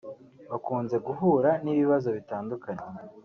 bakunze guhura n’ibibazo bitandukanye